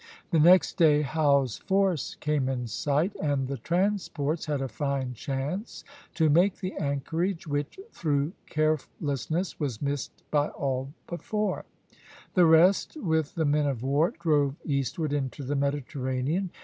The next day Howe's force came in sight, and the transports had a fine chance to make the anchorage, which, through carelessness, was missed by all but four. The rest, with the men of war, drove eastward into the Mediterranean.